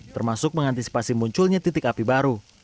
termasuk mengantisipasi munculnya titik api baru